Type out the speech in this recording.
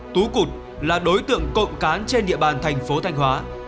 tú cụt là đối tượng cộng cán trên địa bàn thành phố thanh hóa